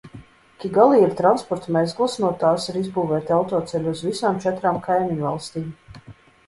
Kigali ir transporta mezgls, no tās ir izbūvēti autoceļi uz visām četrām kaimiņvalstīm.